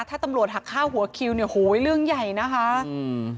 ถ้าตำรวจหักฆ่าหัวคิวเนี่ยโหยเรื่องใหญ่นะคะอืม